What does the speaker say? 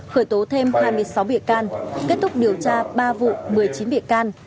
khởi tố thêm hai mươi sáu bịa can kết thúc điều tra ba vụ một mươi chín bịa can